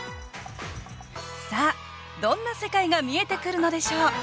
さあどんな世界が見えてくるのでしょう？